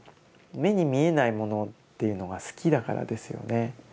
目に見えないものっていうのが好きだからですよね。